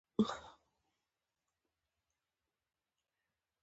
هیڅ زه یوازې